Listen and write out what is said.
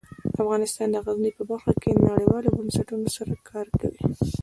افغانستان د غزني په برخه کې نړیوالو بنسټونو سره کار کوي.